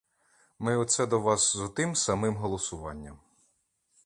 Ми оце до вас з отим самим голосуванням.